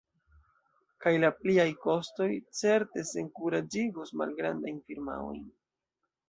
Kaj la pliaj kostoj certe senkuraĝigos malgrandajn firmaojn.